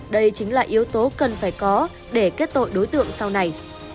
đây chính là yếu tố cần phải có để kết tội đối tượng sau này